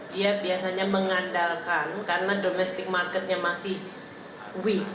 dia biasanya mengandalkan karena domestic marketnya masih weak